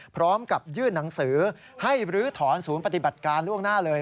พร้อมกับยื่นหนังสือให้ลื้อถอนศูนย์ปฏิบัติการล่วงหน้าเลย